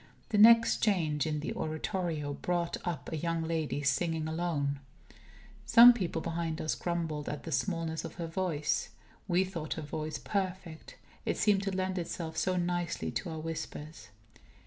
The next change in the Oratorio brought up a young lady, singing alone. Some people behind us grumbled at the smallness of her voice. We thought her voice perfect. It seemed to lend itself so nicely to our whispers.